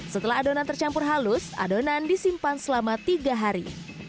setelah adonan tercampur halus adonan disimpan selama tiga hari